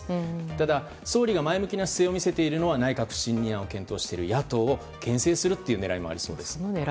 ただ、総理が前向きな姿勢を見せているのは内閣不信任案を検討している野党を牽制する狙いもありそうです。